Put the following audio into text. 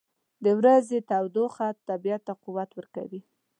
• د ورځې تودوخه طبیعت ته قوت ورکوي.